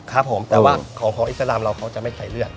ครับผมแต่ว่าของอิสลามเราเขาจะไม่ใส่เลือด